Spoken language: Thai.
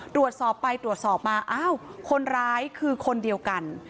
ตรวจสอบไปตรวจสอบมาอ้าวคนร้ายคือคนเดียวกัน